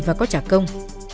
và có trả công